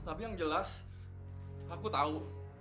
tapi yang jelas aku tahu